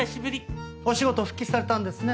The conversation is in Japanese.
お仕事復帰されたんですね